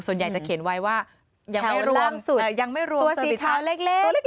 ส่วนใหญ่จะเขียนไว้ว่ายังไม่รวมตัวสีขาวเล็ก